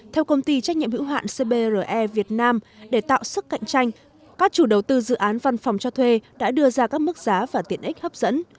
theo công ty trách nhiệm hữu hạn cbre việt nam để tạo sức cạnh tranh các chủ đầu tư dự án văn phòng cho thuê đã đưa ra các mức giá và tiện ích hấp dẫn